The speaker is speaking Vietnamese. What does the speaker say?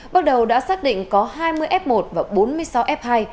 bước đầu đã xác định có hai mươi f một và bốn mươi sáu f hai